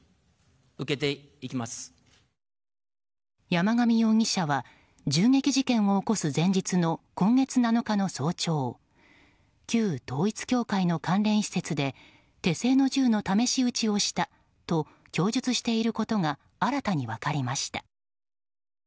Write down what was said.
山上容疑者は銃撃事件を起こす前日の今月７日の早朝旧統一教会の関連施設で手製の銃の試し撃ちをしたと供述していることが新たに分かりました。